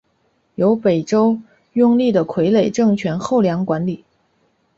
由北周拥立的傀儡政权后梁管理。